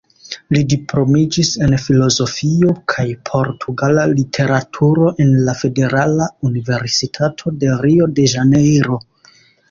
Li diplomiĝis en filozofio kaj portugala literaturo en la Federala Universitato de Rio-de-Ĵanejro.